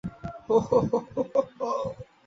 হো হো হো হো হো।